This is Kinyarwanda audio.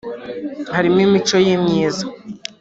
harimo imico ye myiza